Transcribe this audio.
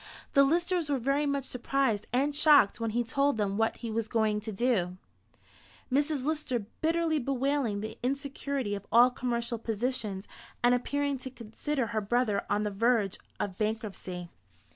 The Listers were very much surprised and shocked when he told them what he was going to do; Mrs. Lister bitterly bewailing the insecurity of all commercial positions, and appearing to consider her brother on the verge of bankruptcy.